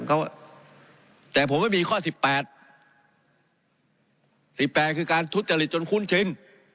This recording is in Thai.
เขาแต่ผมไม่มีข้อสิบแปดสิบแปดคือการทุจริตจนคุ้นชิน